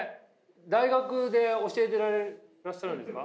大学で教えてらっしゃるんですか？